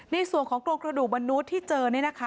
ในส่วนของโครงกระดูกมนุษย์ที่เจอนี่นะคะ